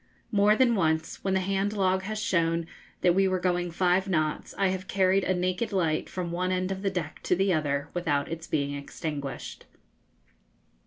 More than once, when the hand log has shown that we were going five knots, I have carried a naked light from one end of the deck to the other without its being extinguished.